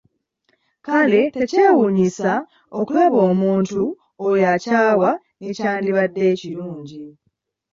Kale tekyewuunyisa okulaba ng'omuntu oyo akyawa n'ekyandibadde ekirungi!